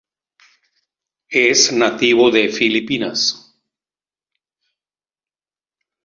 Es nativo de las Filipinas.